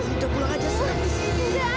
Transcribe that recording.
udah pulang aja serap di sini